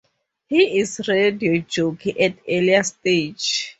He is Radio Jockey at Earlier Stage.